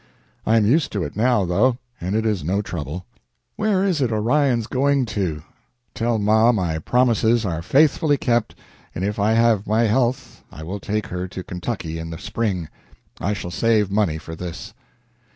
I am used to it now, though, and it is no trouble. Where is it Orion's going to? Tell Ma my promises are faithfully kept; and if I have my health I will take her to Ky. in the spring. I shall save money for this.